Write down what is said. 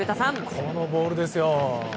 このボールですよ。